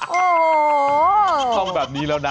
โอ้โหต้องแบบนี้แล้วนะ